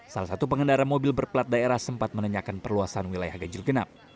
salah satu pengendara mobil berplat daerah sempat menanyakan perluasan wilayah ganjil genap